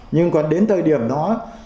nhưng còn đến thời điểm đó